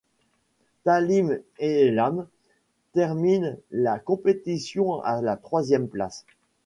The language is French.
Tamil Eelam termine la compétition à la troisième place.